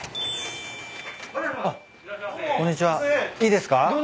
いいですか？